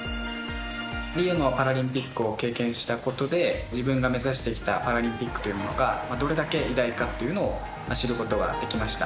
リオのパラリンピックを経験したことで自分が目指してきたパラリンピックというものがどれだけ偉大かということが知ることができました。